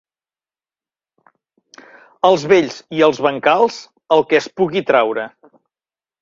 Als vells i als bancals, el que es pugui traure.